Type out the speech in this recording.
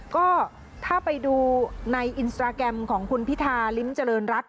ก็ถ้าไปดูในอินสตราแกรมของคุณพิธาริมเจริญรัฐ